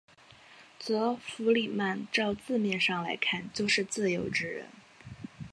则弗里曼照字面上来看就是自由之人。